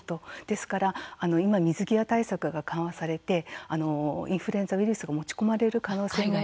ですから、今水際対策が緩和されてインフルエンザウイルスが持ち込まれる可能性も。